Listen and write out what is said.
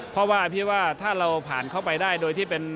เพราะว่าพี่ว่าถ้าเราผ่านเข้าไปได้โดยที่เป็น